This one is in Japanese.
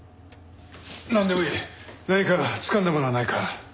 なんでもいい何かつかんだものはないか？